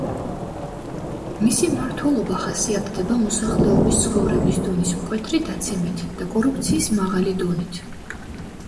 მისი მმართველობა ხასიათდება მოსახლეობის ცხოვრების დონის მკვეთრი დაცემით და კორუფციის მაღალი დონით.